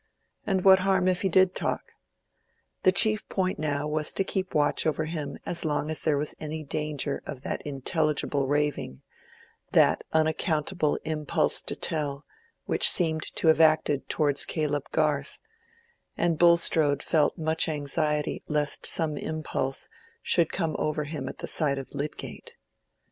And what harm if he did talk? The chief point now was to keep watch over him as long as there was any danger of that intelligible raving, that unaccountable impulse to tell, which seemed to have acted towards Caleb Garth; and Bulstrode felt much anxiety lest some such impulse should come over him at the sight of Lydgate.